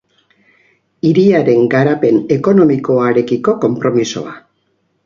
Hiriaren garapen ekonomikoarekiko konpromisoa.